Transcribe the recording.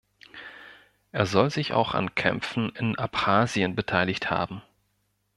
Er soll sich auch an Kämpfen in Abchasien beteiligt haben.